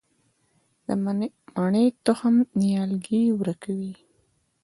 د مڼې تخم نیالګی ورکوي؟